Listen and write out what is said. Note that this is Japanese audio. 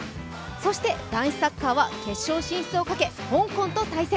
そして男子サッカーは決勝進出をかけ香港と対戦。